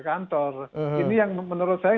kantor ini yang menurut saya